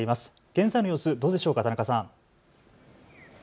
現在の様子どうでしょうか、田中さん。